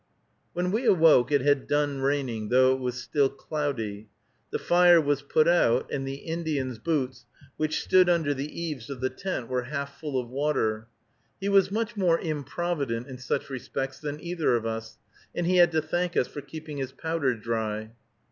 When we awoke it had done raining, though it was still cloudy. The fire was put out, and the Indian's boots, which stood under the eaves of the tent, were half full of water. He was much more improvident in such respects than either of us, and he had to thank us for keeping his powder dry.